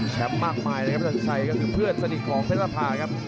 แชมป์มากมายนะครับแสนชัยก็คือเพื่อนสนิทของเพศรภาครับ